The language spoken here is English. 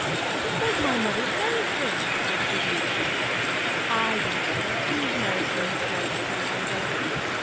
"It was my mother's marriage ring," cried Giglio. "I don't care whose marriage ring it was," cries Angelica.